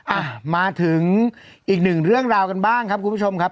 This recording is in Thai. อ่ะมาถึงอีกหนึ่งเรื่องราวกันบ้างครับคุณผู้ชมครับ